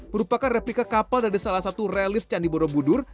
merupakan replika kapal dari salah satu relif candi borobudur